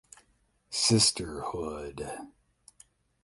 Sisterhood.